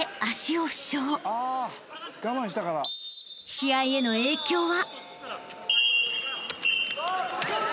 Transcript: ［試合への影響は？］